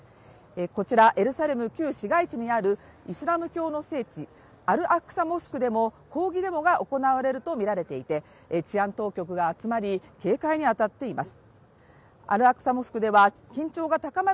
こちらエルサレム旧市街地にあるイスラム教の聖地、アルアクサ・モスクでも抗議デモが行われるとみられていて治安当局が集まり、警戒に当たっています。